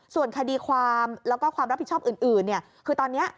ส่วนคดีความแล้วก็ความรับผิดชอบอื่นคือตอนนี้